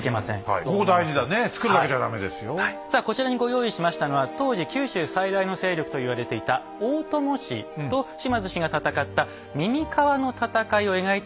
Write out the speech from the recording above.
さあこちらにご用意しましたのは当時九州最大の勢力と言われていた大友氏と島津氏が戦った「耳川の戦い」を描いた屏風絵です。